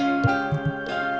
aduh aduh aduh